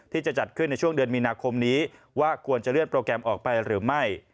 ที่จะจัดขึ้นในช่วงเดือนมีนาคมนี้ว่าควรจะเลื่อนโปรแกรมออกไปหรือไม่